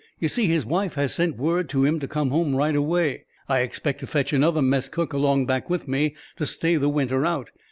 "You see his wife has sent word to him to come home right away. I expect to fetch another mess cook along back with me, to stay the winter out.